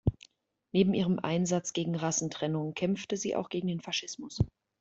Neben ihrem Einsatz gegen Rassentrennung kämpfte sie auch gegen den Faschismus.